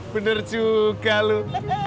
bener juga lu